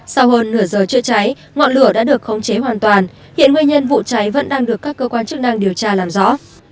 sau hơn nửa giờ chữa cháy ngọn lửa đã được khống chế hoàn toàn hiện nguyên nhân vụ cháy vẫn đang được các cơ quan chức năng điều tra làm rõ